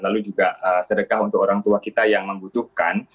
lalu juga sedekah untuk orang tua kita yang membutuhkan